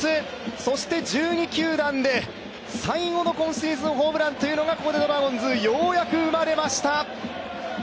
そして１２球団で、最後の今シーズンホームランというのがここでドラゴンズようやく生まれました。